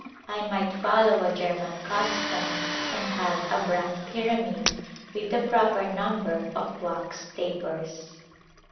I might follow a German custom and have a bran pyramid with the proper number of wax tapers.